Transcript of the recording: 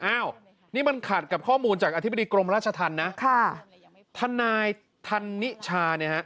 อ้าวนี่มันขัดกับข้อมูลจากอธิบดีกรมราชธรรมนะค่ะทนายธันนิชาเนี่ยฮะ